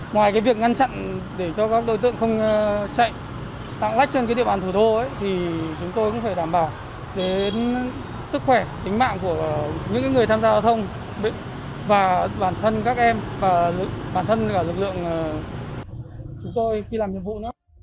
ngoài cái việc ngăn chặn để cho các đối tượng không chạy tặng lách trên cái địa bàn thủ đô ấy thì chúng tôi cũng phải đảm bảo đến sức khỏe tính mạng của những người tham gia giao thông và bản thân các em và bản thân cả lực lượng chúng tôi khi làm nhiệm vụ đó